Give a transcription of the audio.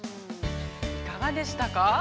◆いかがでしたか。